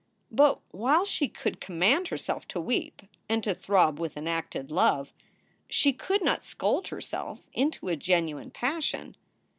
But while she could command herself to weep and to throb with enacted love, she could not scold herself into a genuine passion.